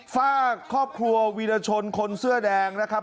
ฝากครอบครัววีรชนคนเสื้อแดงนะครับ